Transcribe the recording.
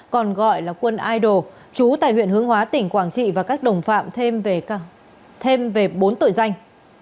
còn gọi là quân idol chú tài huyện hướng hóa tp quảng trị và các đồng phạm thêm về bốn tội danh